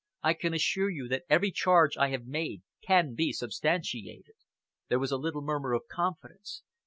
I can assure you that every charge I have made can be substantiated." There was a little murmur of confidence.